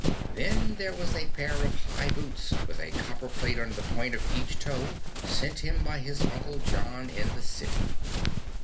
Then there was a pair of high boots with a copper plate on the point of each toe, sent him by his Uncle John in the city.